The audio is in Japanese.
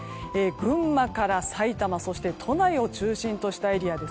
群馬からさいたまそして都内を中心としたエリア。